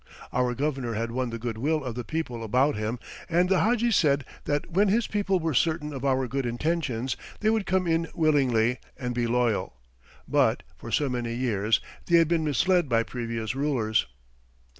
Our Governor had won the good will of the people about him and the Hadji said that when his people were certain of our good intentions they would come in willingly and be loyal but, for so many years, they had been misled by previous rulers.